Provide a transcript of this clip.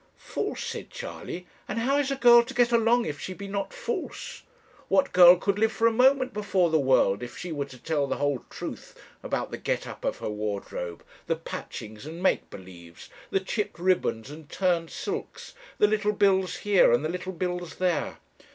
'False!' said Charley; 'and how is a girl to get along if she be not false? What girl could live for a moment before the world if she were to tell the whole truth about the get up of her wardrobe the patchings and make believes, the chipped ribbons and turned silks, the little bills here, and the little bills there?